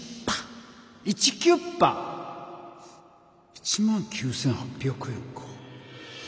１９８００円か。